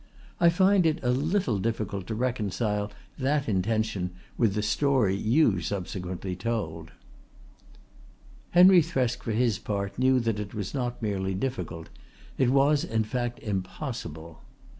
I find it a little difficult to reconcile that intention with the story you subsequently told." Henry Thresk for his part knew that it was not merely difficult, it was, in fact, impossible.